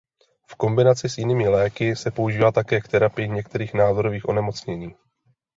V kombinaci s jinými léky se používá také k terapii některých nádorových onemocnění.